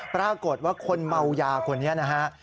ปรากฏว่าคนเมายาคนนี้นะฮะ